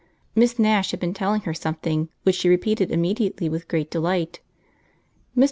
Miss Nash had been telling her something, which she repeated immediately with great delight. Mr.